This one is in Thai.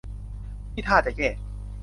นี่ท่าจะแย่